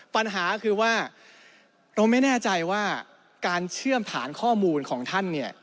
ปัญหาคือว่าเราไม่แน่ใจว่าการเชื่อมฐานข้อมูลของท่านเนี่ย